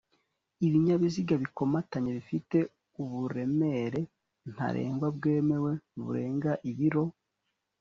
ibinyabiziga bikomatanye bifite uburemere ntarengwa bwemewe burenga ibiro